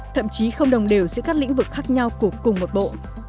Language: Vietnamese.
thậm chí không đồng đều giữa các lĩnh vực khác nhau của cùng một bộ